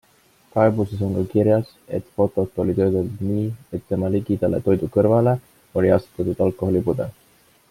Kaebuses on ka kirjas, et fotot oli töödeldud nii, et tema ligidale, toidu kõrvale, oli asetatud alkoholipudel.